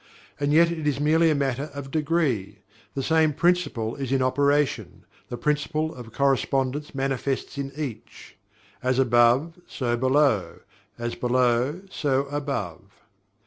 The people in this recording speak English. And yet it is merely a matter of degree the same Principle is in operation the Principle of Correspondence manifests in each "As above, so Below; as Below, so above."